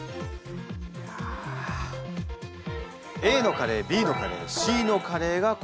ＡのカレーＢのカレーＣのカレーがここにあります。